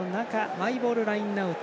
マイボールラインアウト。